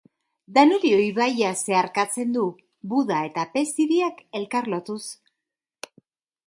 Danubio ibaia zeharkatzen du, Buda eta Pest hiriak elkar lotuz.